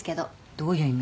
どういう意味？